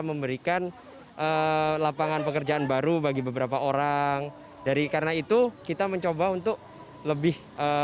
memberikan lapangan pekerjaan baru bagi beberapa orang dari karena itu kita mencoba untuk lebih